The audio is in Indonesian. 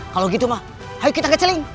kalau begitu mau kita keceling